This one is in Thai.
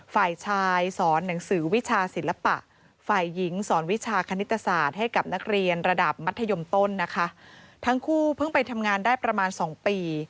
ฝ่ายชายสอนหนังสือวิชาศิลปะฝ่ายหญิงสอนวิชาคณิตศาสตร์ให้กับนักเรียนระดับมัธยมต้นนะคะทั้งคู่เพิ่งไปทำงานได้ประมาณสองปี